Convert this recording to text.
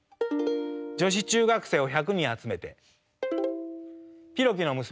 女子中学生を１００人集めてぴろきの娘